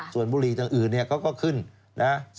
ส่วนบุหรี่ตัวอื่นก็ขึ้น๔๕บาท